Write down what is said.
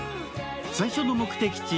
最初の目的地